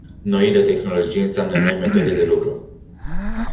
Noile tehnologii înseamnă noi metode de lucru.